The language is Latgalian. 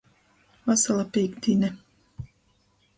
Vasala, pīktdīne!!!